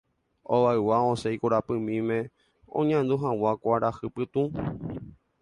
Ogaygua osẽ ikorapymíme oñandu hag̃ua kuarahy pytu